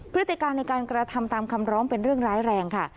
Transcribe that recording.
พฤติการในการกระทำตามคำร้องเป็นเรื่องร้ายแรงค่ะ